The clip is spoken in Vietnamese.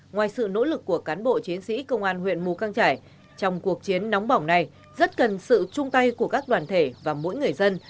ngoài sự nỗ lực của cán bộ chiến sĩ công an huyện mù căng trải trong cuộc chiến nóng bỏng này rất cần sự chung tay của các đoàn thể và mỗi người dân